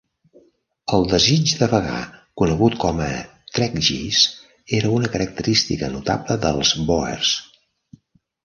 El desig de vagar, conegut com a "trekgees", era una característica notable dels Boers.